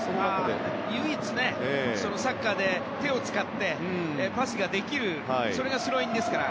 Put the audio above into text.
唯一、サッカーで手を使ってパスができるそれがスローインですから。